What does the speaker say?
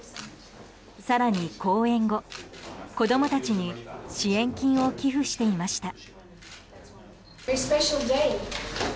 更に公演後、子供たちに支援金を寄付していました。